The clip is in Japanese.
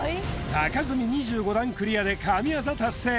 高積み２５段クリアで神業達成